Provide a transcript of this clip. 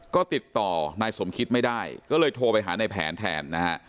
ก็ติดต่อนายสมคิตไม่ได้ก็เลยโทรไปหาในแผนแทนนะฮะ